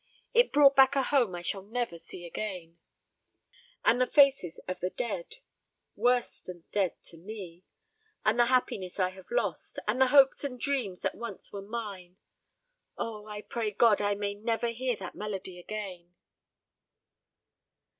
It brought back a home I shall never see again, and the faces of the dead worse than dead to me and the happiness I have lost, and the hopes and dreams that once were mine. Oh, I pray God I may never hear that melody again."